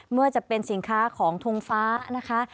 เมื่อจะเป็นสินค้าของทงฟ้านะคะ